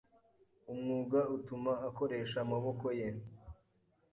umwuga utuma akoresha amaboko ye